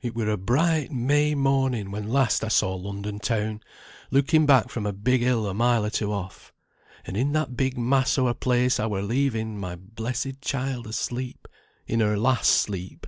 It were a bright May morning when last I saw London town, looking back from a big hill a mile or two off. And in that big mass o' a place I were leaving my blessed child asleep in her last sleep.